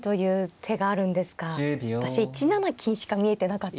私１七金しか見えてなかったです。